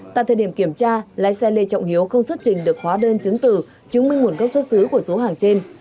tại thời điểm kiểm tra lái xe lê trọng hiếu không xuất trình được hóa đơn chứng từ chứng minh nguồn gốc xuất xứ của số hàng trên